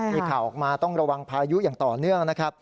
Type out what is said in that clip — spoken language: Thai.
มีข่อออกมาต้องร่วงพายุอย่างต่อเนื่อง